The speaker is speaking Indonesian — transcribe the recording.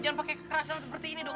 jangan pake kekerasan seperti ini dong